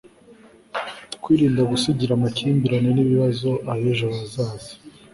kwirinda gusigira amakimbirane n'ibibazo ab'ejo hazaza